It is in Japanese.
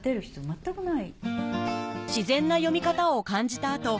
全くない。